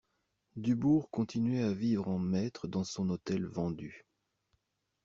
Dubourg continuait à vivre en maître dans son hôtel vendu.